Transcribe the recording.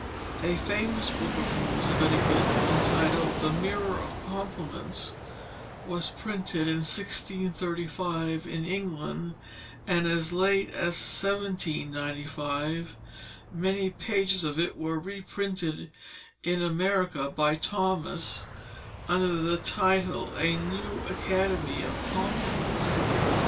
A famous book of rules of etiquette, entitled The Mirror of Compliments, was printed in 1635 in England, and as late as 1795 many pages of it were reprinted in America by Thomas under the title A New Academy of Compliments.